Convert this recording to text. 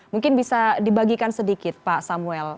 mungkin bisa dibagikan sedikit pak samuel